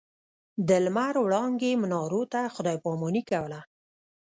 د لمر وړانګې منارو ته خداې پا ماني کوله.